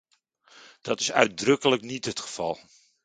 Dat is uitdrukkelijk niet het geval.